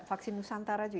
vaksin nusantara juga